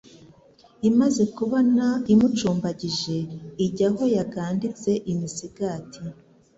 Imaze kubona imucumbagije, Ijya aho yaganditse imisigati,